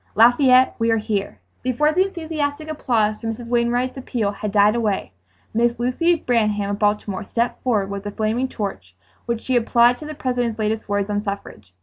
"Lafayette, we are here!" Before the enthusiastic applause for Mrs. Wainwright's appeal had died away, Miss Lucy Branham of Baltimore stepped forward with a flaming torch, which she applied to the President's latest words on suffrage.